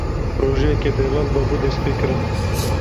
Projeyeke delal dabû destpêkirin.